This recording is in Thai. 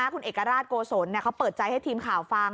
คุณเอกราชโกศลเขาเปิดใจให้ทีมข่าวฟัง